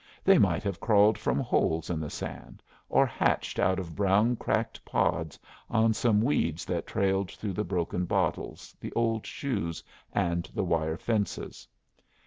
They might have crawled from holes in the sand, or hatched out of brown cracked pods on some weeds that trailed through the broken bottles, the old shoes, and the wire fences.